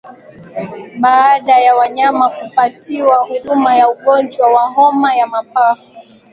Baada ya wanyama kupatiwa huduma ya ugonjwa wa homa ya mapafu